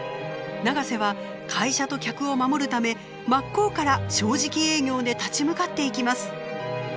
永瀬は会社と客を守るため真っ向から正直営業で立ち向かっていきます。